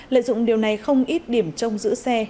lợi dụng điều này không ít điểm trong giữ xe